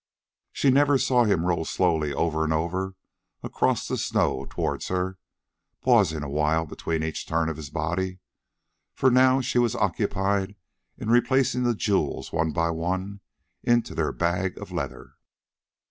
She never saw him roll slowly over and over across the snow towards her, pausing a while between each turn of his body, for now she was occupied in replacing the jewels one by one into their bag of leather.